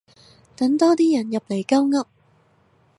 等多啲人入嚟鳩噏